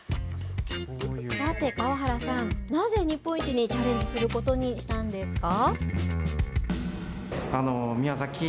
さて、川原さん、なぜ日本一にチャレンジすることにしたんですか？